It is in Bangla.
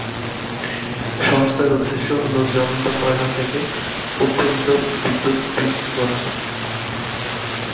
সংস্থার উদ্দেশ্য হল জ্বলন্ত কয়লা থেকে উৎপাদিত বিদ্যুৎ বৃদ্ধি করা।